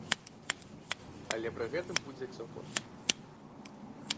Але пры гэтым будзе цёпла.